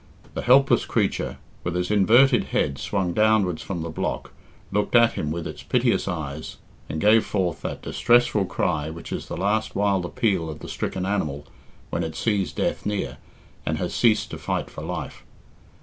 The helpless creature, with its inverted head swung downwards from the block, looked at him with its piteous eyes, and gave forth that distressful cry which is the last wild appeal of the stricken animal when it sees death near, and has ceased to fight for life.